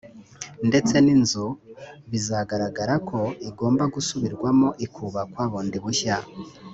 ndetse n’inzu bizagaragara ko igomba gusubirwamo ikubakwa bundi bushya